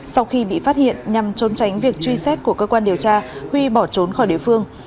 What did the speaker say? sau khi bị phát hiện nhằm trốn tránh việc truy xét của cơ quan điều tra huy bỏ trốn khỏi địa phương